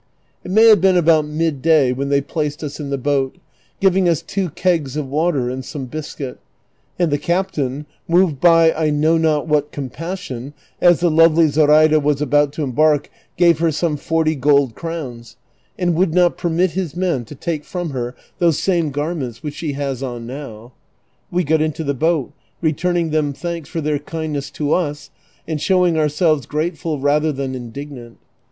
It may have been about mid day when they placed us in the boat, giving us two kegs of water and some biscuit ; and the captain, moved by I know not what compassion, as the lovely Zoraida was about to embark gave her some forty gold crowns, and would not permit his men to take from her those same garments which she has on now. AVe got into the boat, returning them thanks for their kindness to us, and showing ourselves grateful rather than indig nant.